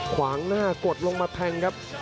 ขวางหน้ากดลงมาแทงครับ